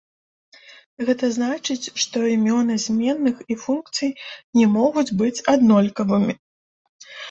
Гэта значыць, што імёны зменных і функцый не могуць быць аднолькавымі.